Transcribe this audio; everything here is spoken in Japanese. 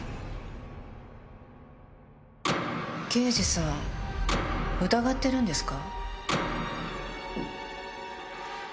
刑事さん疑ってるんですか？